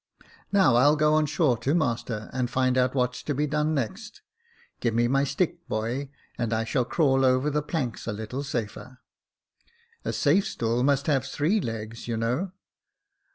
'* Now I'll go on shore to master, and find out what's to be done next. Give me my stick, boy, and I shall crawl over the planks a little safer. A safe stool must have three legs, you know."